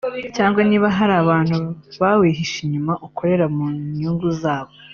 cyangwa niba hari abantu bawihishe inyuma ukorera mu nyungu zabo